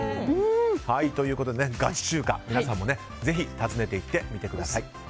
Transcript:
ということでガチ中華皆さんもぜひ訪ねて行ってみてください。